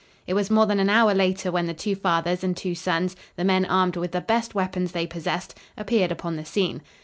It was more than an hour later when the two fathers and two sons, the men armed with the best weapons they possessed, appeared upon the scene.